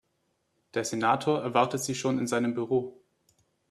Der Senator erwartet Sie schon in seinem Büro.